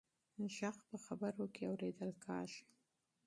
غږ په خبرو کې اورېدل کېږي.